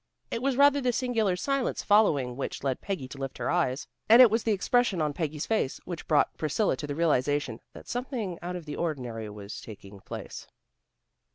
It was rather the singular silence following which led Peggy to lift her eyes, and it was the expression on Peggy's face which brought Priscilla to the realization that something out of the ordinary was taking place.